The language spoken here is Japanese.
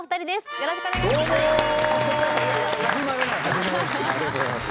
よろしくお願いします。